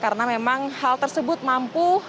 karena memang hal tersebut tidak terlalu berhasil